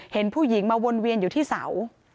เห็นผู้หญิงมาวนเวียนอยู่ที่เสา